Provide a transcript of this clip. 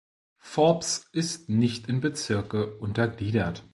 Forbes ist nicht in Bezirke untergliedert.